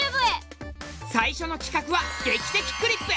最初の企画は「劇的クリップ」。